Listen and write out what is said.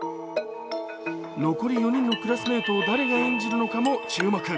残り４人のクラスメートを誰が演じるのかも注目。